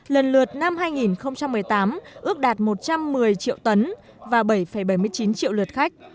lần lượt năm hai nghìn một mươi tám ước đạt một trăm một mươi triệu tấn và bảy bảy mươi chín triệu lượt khách